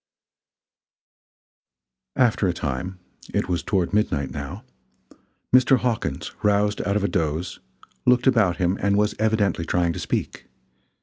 After a time it was toward midnight now Mr. Hawkins roused out of a doze, looked about him and was evidently trying to speak.